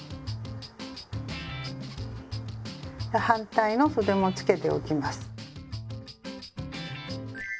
反対のそでもつけておきます。